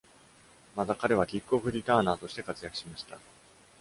また、彼は、キックオフ・リターナーとして活躍しました。